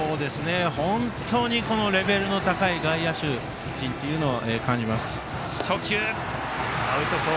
本当にレベルの高い外野手陣だと感じます。